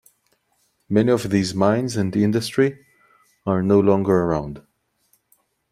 Many of these mines and industry are no longer around.